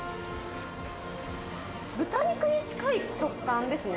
豚肉に近い食感ですね。